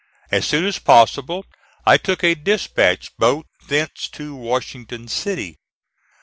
As soon as possible I took a dispatch boat thence to Washington City.